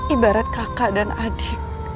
ibarat kakak dan aku